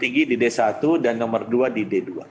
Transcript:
tinggi di d satu dan nomor dua di d dua